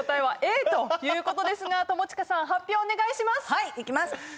はいいきます。